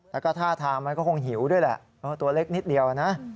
แล้วก็ท่าทางมันก็คงหิวด้วยแหละตัวเล็กนิดเดียวนะ